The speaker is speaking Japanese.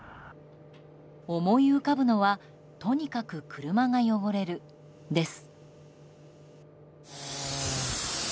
思い浮かぶのはとにかく車が汚れるです。